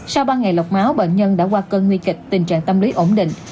sau ba ngày lọc máu bệnh nhân đã qua cơn nguy kịch tình trạng tâm lý ổn định